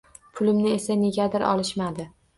Pulimni esa negadir olishmadi.